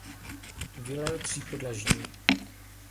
Vila je třípodlažní.